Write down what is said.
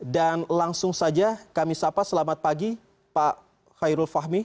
dan langsung saja kami sapa selamat pagi pak khairul fahmi